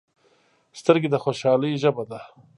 سترګې د خوشحالۍ ژبه ده